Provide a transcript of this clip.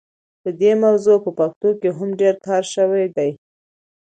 په دې موضوع په پښتو کې هم ډېر کار شوی دی.